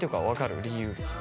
理由。